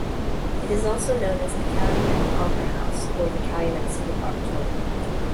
It is also known as the Calumet Opera House or the Calumet Civic Auditorium.